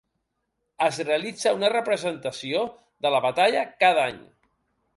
Es realitza una representació de la batalla cada any.